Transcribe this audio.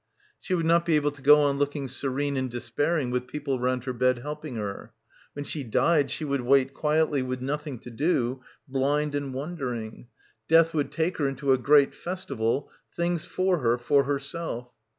She would not be able to go on looking serene and despairing with people round her bed helping her. When she died she would wait quietly with nothing to do, blind and wondering. Death would take her into a great festival — things for her for herself.